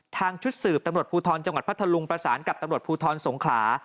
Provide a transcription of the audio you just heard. ชุดสืบตำรวจภูทรจังหวัดพัทธลุงประสานกับตำรวจภูทรสงขลา